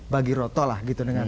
bagi roto lah gitu